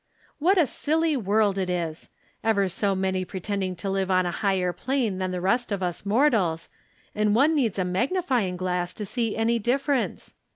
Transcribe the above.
What a silly world it is I Ever so many pre tending to live on a higher plane than the rest of us mortals, and one needs a magnifying glass to see any difference.